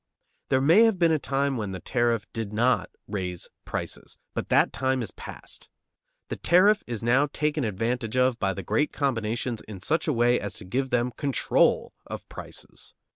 There may have been a time when the tariff did not raise prices, but that time is past; the tariff is now taken advantage of by the great combinations in such a way as to give them control of prices.